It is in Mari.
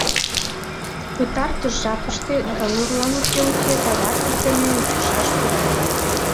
Пытартыш жапыште Ганурлан уке-уке да ватыж дене ӱчашаш перна.